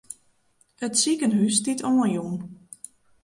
It sikehûs stiet oanjûn.